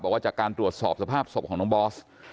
บอกว่าจากการตรวจสอบสภาพศพของน้องบอส